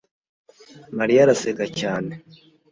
mariya araseka cyane